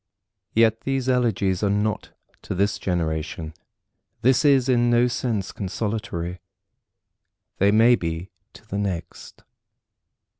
Yet these elegies are not to this generation, This is in no sense consolatory. They may be to the next.